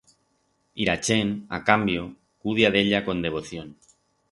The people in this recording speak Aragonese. Y ra chent, a cambio, cudia d'ella con devoción.